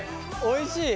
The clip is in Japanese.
おいしい！